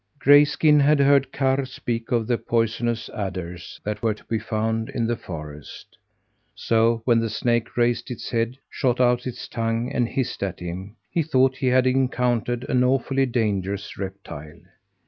Grayskin had heard Karr speak of the poisonous adders that were to be found in the forest. So, when the snake raised its head, shot out its tongue and hissed at him, he thought he had encountered an awfully dangerous reptile.